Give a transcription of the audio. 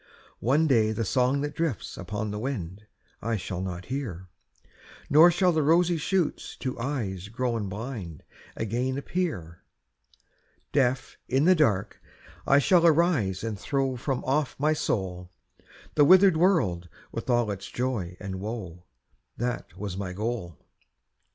One day the song that drifts upon the wind, I shall not hear; Nor shall the rosy shoots to eyes grown blind Again appear. Deaf, in the dark, I shall arise and throw From off my soul, The withered world with all its joy and woe, That was my goal.